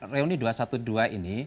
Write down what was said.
jadi pada reuni dua ratus dua belas ini